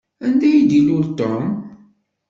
Anda ay d-ilul Tom?